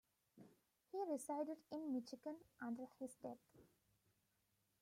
He resided in Michigan until his death.